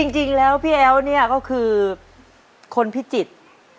จริงแล้วพี่แอ๋วเนี่ยก็คือคนพิจิตร